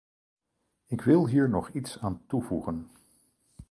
Ik wil hier nog iets aan toevoegen.